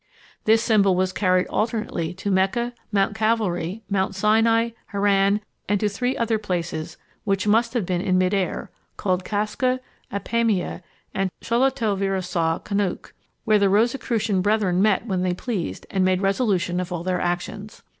This symbol was carried alternately to Mecca, Mount Calvary, Mount Sinai, Haran, and to three other places, which must have been in mid air, called Cascle, Apamia and Chaulateau Virissa Caunuch, where the Rosicrucian brethren met when they pleased, and made resolution of all their actions.